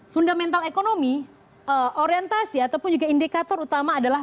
fundamental ekonomi orientasi ataupun juga indikator utama adalah